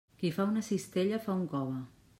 Qui fa una cistella, fa un cove.